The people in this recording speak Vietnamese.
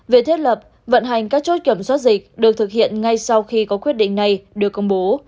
việc thiết lập vận hành các chốt kiểm soát dịch được thực hiện ngay sau khi có quyết định này được công bố